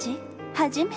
初めて。